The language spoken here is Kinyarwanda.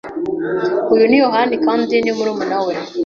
Uyu ni Yohana kandi ni murumuna we.